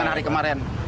dengan hari kemarin